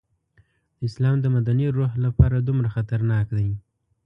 د اسلام د مدني روح لپاره دومره خطرناک دی.